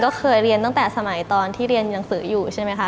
ก็เคยเรียนตั้งแต่สมัยตอนที่เรียนหนังสืออยู่ใช่ไหมคะ